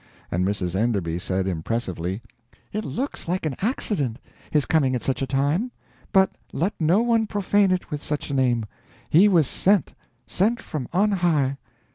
And Mrs. Enderby said, impressively: "It looks like an accident, his coming at such a time; but let no one profane it with such a name; he was sent sent from on high."